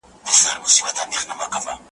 دا وطن به همېشه اخته په ویر وي `